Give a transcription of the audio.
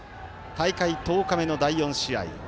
大会１０日目の第４試合。